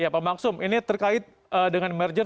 ya pak maksum ini terkait dengan merger